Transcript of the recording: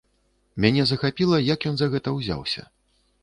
Мяне захапіла, як ён за гэта ўзяўся.